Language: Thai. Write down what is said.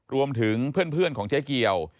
รวมถึงเพื่อนของเจ๊เกียว